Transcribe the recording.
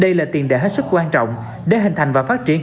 đây là tiền đề hết sức quan trọng để hình thành và phát triển